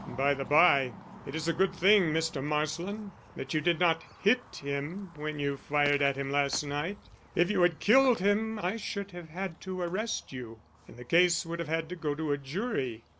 By the by, it is a good thing, Mr. Marsland, that you did not hit him when you fired at him last night. If you had killed him I should have had to arrest you, and the case would have had to go to a jury.